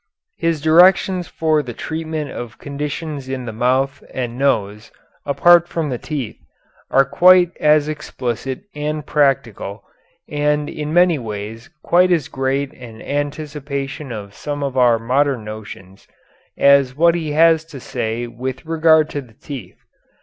His directions for the treatment of conditions in the mouth and nose apart from the teeth are quite as explicit and practical, and in many ways quite as great an anticipation of some of our modern notions as what he has to say with regard to the teeth.